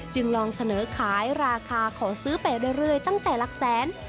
ลองเสนอขายราคาขอซื้อไปเรื่อยตั้งแต่หลักแสน